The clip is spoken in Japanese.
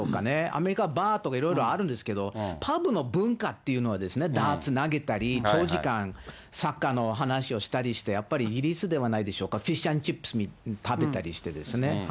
アメリカはバーとかいろいろあるんですけど、パブの文化っていうのは、ダーツ投げたり、長時間サッカーの話をしたりして、やっぱりイギリスではないでしょうか、フィッシュ＆チップス食べたりしてね。